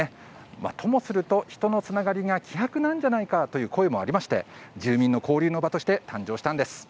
ともすると人のつながりが希薄なんじゃないかという声もありまして住民の交流の場として誕生したんです。